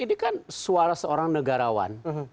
ini kan suara seorang negarawan